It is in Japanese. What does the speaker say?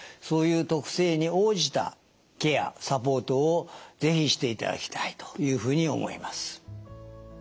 そういう特性に応じたケアサポートを是非していただきたいというふうに思います。